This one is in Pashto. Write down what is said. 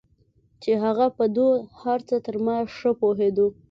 چې هغه په دو هرڅه تر ما ښه پوهېدو.